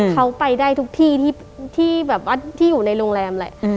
เขาไปได้ทุกที่ที่อยู่ในโรงแรมเลย